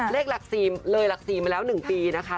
เลขหลัก๔เลยหลัก๔มาแล้ว๑ปีนะคะ